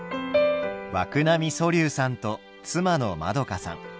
涌波蘇嶐さんと妻のまどかさん。